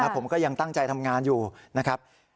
ผมก็ยังตั้งใจทำงานอยู่นะครับ